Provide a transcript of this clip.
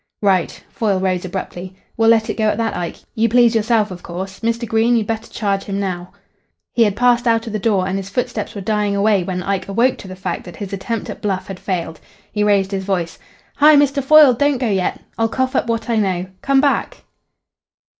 "Right." Foyle rose abruptly. "We'll let it go at that, Ike. You please yourself, of course. Mr. Green, you'd better charge him now." He had passed out of the door, and his footsteps were dying away when Ike awoke to the fact that his attempt at bluff had failed. He raised his voice. "Hi! Mr. Foyle! Don't go yet. I'll cough up what I know. Come back."